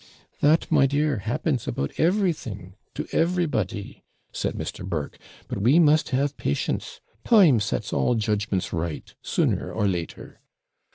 'That, my dear, happens about everything to everybody,' said Mr. Burke; 'but we must have patience; time sets all judgments right, sooner or later.'